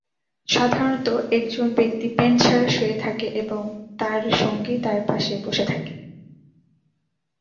সাধারণত একজন ব্যক্তি প্যান্ট ছাড়া শুয়ে থাকে এবং তার সঙ্গী তার পাশে বসে থাকে।